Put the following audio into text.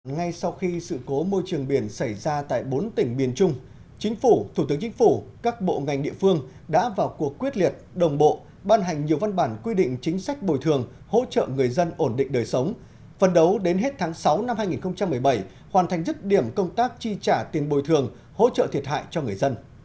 ngay sau khi sự cố môi trường biển xảy ra tại bốn tỉnh biển trung chính phủ thủ tướng chính phủ các bộ ngành địa phương đã vào cuộc quyết liệt đồng bộ ban hành nhiều văn bản quy định chính sách bồi thường hỗ trợ người dân ổn định đời sống phần đầu đến hết tháng sáu năm hai nghìn một mươi bảy hoàn thành dứt điểm công tác chi trả tiền bồi thường hỗ trợ thiệt hại cho người dân